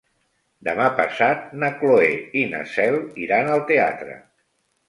Demà passat na Cloè i na Cel iran al teatre.